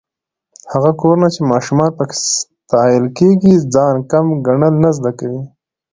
هغه کورونه چې ماشومان پکې ستايل کېږي، ځان کم ګڼل نه زده کوي.